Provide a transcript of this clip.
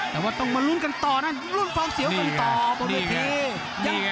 แต่ว่าต้องมาลุ้นกันต่อนะลุ้นความเสียวกันต่อบนเวที